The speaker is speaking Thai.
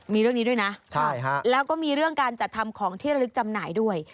มีเรื่องนี้ด้วยนะแล้วก็มีเรื่องการจัดทำของที่ระลึกจำหน่ายด้วย